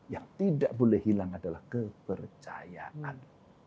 yang tidak boleh hilang adalah kepercayaan